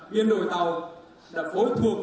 biên đội tàu đã phối thuộc